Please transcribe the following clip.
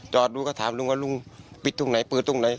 จอดดูก็ถามลุงว่าลุงปิดตรงไหนปืนตรงไหน